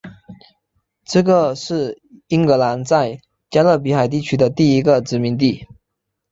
这个是英格兰在加勒比海地区的第一个殖民地。